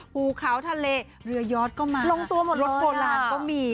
ภูเขาทะเลเรือยอดก็มารถโบราณก็มี